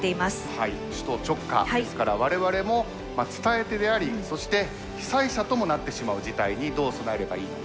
首都直下ですから我々も伝え手でありそして被災者ともなってしまう事態にどう備えればいいのか。